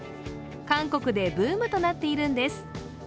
韓国でブームとなっているんです。